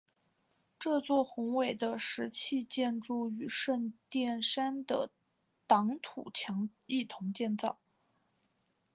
这座宏伟的石砌建筑与圣殿山的挡土墙一同建造。